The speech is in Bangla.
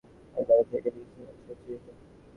এই বাড়ি থেকেই লিখেছিল সে চিঠিটা।